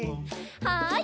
はい。